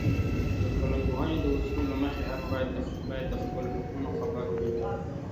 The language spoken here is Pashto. د ټولنپوهنې د اصولو له مخې، هر فرد باید د خپلو حقونو خبر وي.